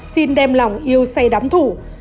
sinh đem lòng yêu say đắm thủ